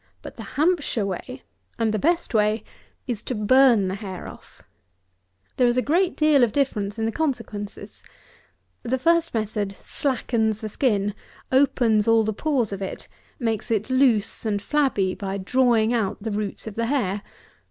But the Hampshire way, and the best way, is to burn the hair off. There is a great deal of difference in the consequences. The first method slackens the skin, opens all the pores of it, makes it loose and flabby by drawing out the roots of the hair.